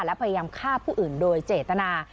และพยายามฆ่าผู้อื่นโดยเจตนา